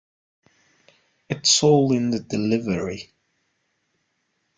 It's all in the delivery.